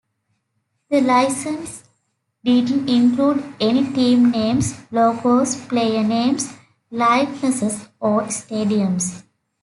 The licence didn't include any team names, logos, player names, likenesses or stadiums.